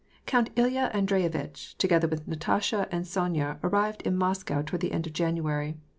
Count Ilya Andreyevitch, together with Natasha and Sonya, arrived in Moscow toward the end of January.